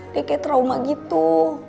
dia kayak trauma gitu